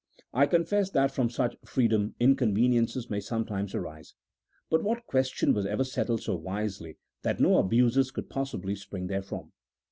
I confess that from such freedom inconveniences may sometimes arise, but what question was ever settled so wisely that no abuses could possibly spring therefrom